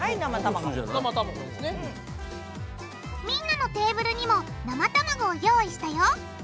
みんなのテーブルにも生卵を用意したよ。